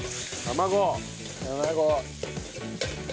卵。